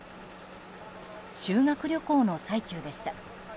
修学旅行の最中でした。